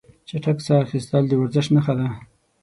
چټک ساه اخیستل د ورزش نښه ده.